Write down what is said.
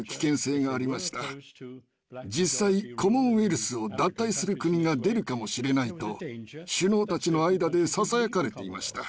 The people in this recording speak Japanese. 実際コモンウェルスを脱退する国が出るかもしれないと首脳たちの間でささやかれていました。